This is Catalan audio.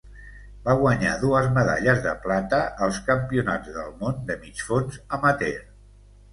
Va guanyar dues medalles de plata als Campionats del món de mig fons amateur.